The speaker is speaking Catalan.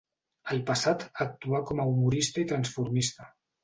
Al passat actuà com a humorista i transformista.